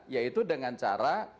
yaitu dengan cara